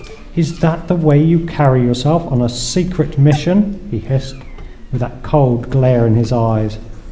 'Is that the way you carry yourself on a secret mission?' he hissed, with that cold glare in his eyes.